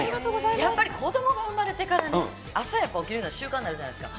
やっぱり子どもが産まれてからね、朝、やっぱ起きるの、習慣になるじゃないですか。